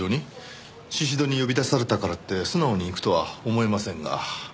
宍戸に呼び出されたからって素直に行くとは思えませんが。